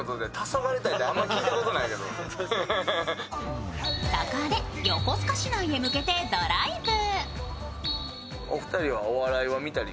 そこで横須賀市内へ向けてドライブ。